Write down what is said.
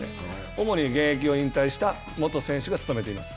主に現役を引退した元選手が務めています。